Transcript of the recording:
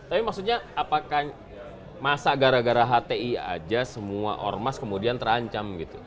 tapi maksudnya apakah masa gara gara hti aja semua ormas kemudian terancam gitu